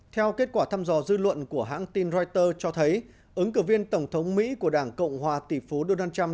theo kết quả thăm dò dư luận của hãng tin reuters cho thấy ứng cử viên tổng thống mỹ của đảng cộng hòa tỷ phú donald trump